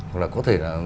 hoặc là có thể là